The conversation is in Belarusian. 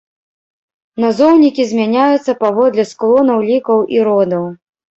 Назоўнікі змяняюцца паводле склонаў, лікаў, і родаў.